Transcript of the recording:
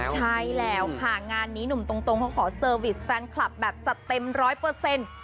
ใช่แล้วค่ะงานนี้หนุ่มตรงเขาขอเซอร์วิสแฟนคลับแบบจัดเต็มร้อยเปอร์เซ็นต์